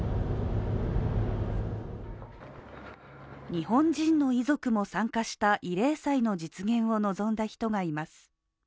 日本人の遺族も参加した慰霊祭の実現を望んだ人がいます。